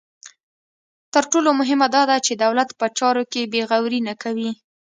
تر ټولو مهمه دا ده چې دولت په چارو کې بې غوري نه کوي.